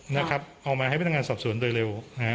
นะครับเอามาให้พนักงานสอบสวนโดยเร็วนะฮะ